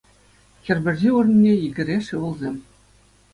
Хӗр пӗрчи вырӑнне — йӗкӗреш ывӑлсем